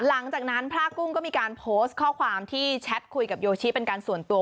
หลังจากนั้นพระกุ้งก็มีการโพสต์ข้อความที่แชทคุยกับโยชิเป็นการส่วนตัว